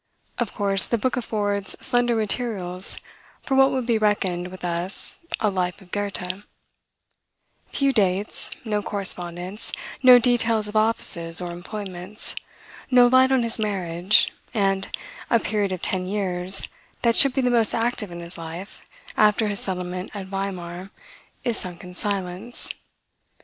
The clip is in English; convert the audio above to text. Of course, the book affords slender materials for what would be reckoned with us a "Life of Goethe;" few dates; no correspondence; no details of offices or employments; no light on his marriage; and, a period of ten years, that should be the most active in his life, after his settlement at Weimar, is sunk in silence.